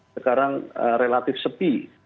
sekarang relatif sepi